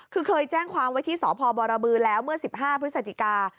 คือเคยแจ้งความไว้ที่สพบรบือแล้วเมื่อ๑๕พฤศจิกา